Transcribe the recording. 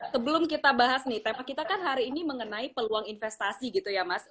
sebelum kita bahas nih tema kita kan hari ini mengenai peluang investasi gitu ya mas